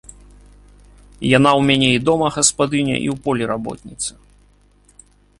Яна ў мяне і дома гаспадыня і ў полі работніца.